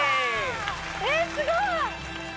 えっすごい！